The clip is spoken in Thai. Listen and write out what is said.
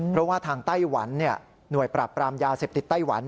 เพราะว่าทางไต้หวันหน่วยปราบปรามยาเสพติดไต้หวัน